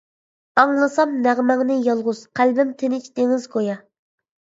ئاڭلىسام نەغمەڭنى يالغۇز، قەلبىم تىنچ دېڭىز گويا.